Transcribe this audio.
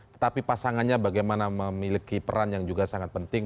tetapi pasangannya bagaimana memiliki peran yang juga sangat penting